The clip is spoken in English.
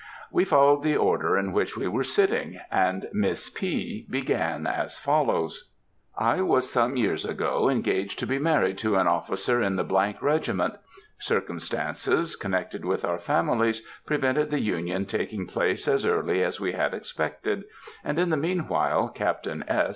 We followed the order in which we were sitting, and Miss P. began as follows: "I was some years ago engaged to be married to an officer in the regiment. Circumstances connected with our families prevented the union taking place as early as we had expected; and in the mean while Captain S.